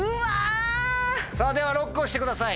さぁではＬＯＣＫを押してください。